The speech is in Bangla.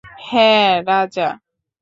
হ্যাঁ, রাজা।